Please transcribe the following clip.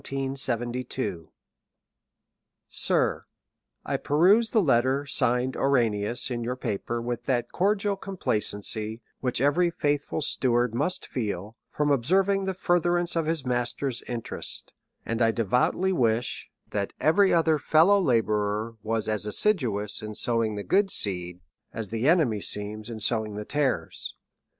Sir, '^" i perused the letter signed Oiiranius in your paper* with that cordial couipiacency_, which every faithful steward must feel, from observing, the fur therance of his Master's interest ; and I devoutly wish, that every other fellow labourer was as assiduous in sowing the good seed, as the enemy seems in sowing" the tares.